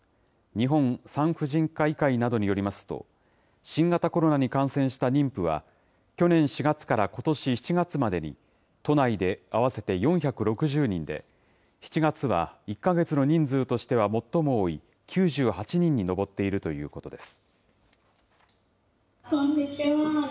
日本産婦人科医会などによりますと、新型コロナに感染した妊婦は、去年４月からことし７月までに、都内で合わせて４６０人で、７月は１か月の人数としては最も多い９８人に上っているということです。